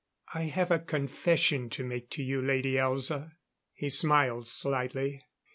"I have a confession to make to you, Lady Elza." He smiled slightly.